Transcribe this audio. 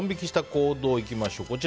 行動いきましょう。